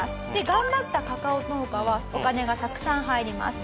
頑張ったカカオ農家はお金がたくさん入ります。